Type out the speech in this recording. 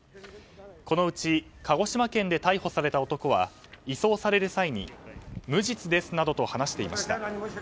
このうち鹿児島県で逮捕された男は移送される際に無実ですなどと話していました。